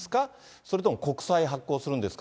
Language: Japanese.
それとも国債発行するんですか？